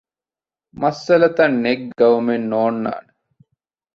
މައްސަލަތައް ނެތް ގައުމެއް ނޯންނާނެ